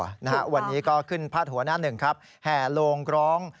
วันนี้ก็ขึ้นพาดหัวหน้าหนึ่งครับแห่โลงร้อง